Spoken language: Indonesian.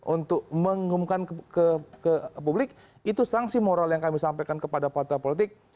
untuk mengumumkan ke publik itu sanksi moral yang kami sampaikan kepada partai politik